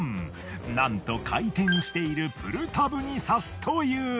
なんと回転しているプルタブに刺すという。